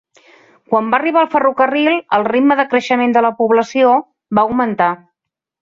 Quan va arribar el ferrocarril, el ritme de creixement de la població va augmentar.